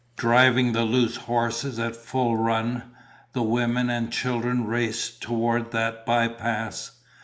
Driving the loose horses at full run, the women and children raced toward that bypass.